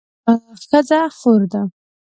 ښځه خور ده